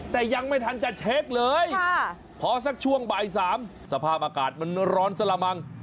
แต่ยังไม่ทันจะเช็คเลยพอสักช่วงบ่าย๓สภาพอากาศมันร้อนสละมัง